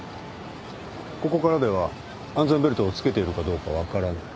ここからでは安全ベルトを着けているかどうか分からない。